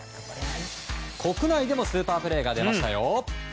国内でもスーパープレーが出ましたよ。